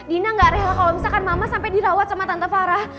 dina gak rela kalau misalkan mama sampai dirawat sama tante farah